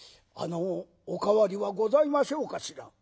あのお代わりはございましょうかしら」。